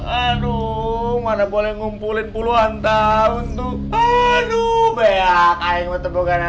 aduh mana boleh ngumpulin puluhan tahun tuh aduh bea kayak betul betul karena